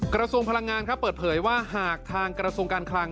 กระทรวงพลังงานเปิดเผยว่าหากทางกระทรวงการคลัง